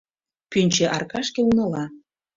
Пӱнчӧ аркашке унала